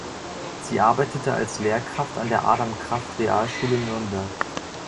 Sie arbeitete als Lehrkraft an der Adam-Kraft-Realschule Nürnberg.